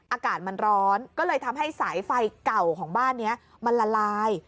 อากาศมันร้อนก็เลยทำให้สายไฟเก่าของบ้านนี้มันละลาย